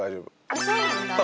あっそうなんだ。